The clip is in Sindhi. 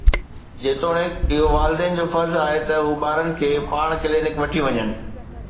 جيتوڻيڪ اهو والدين جو فرض آهي ته هو ٻارن کي پاڻ ڪلينڪ وٺي وڃن.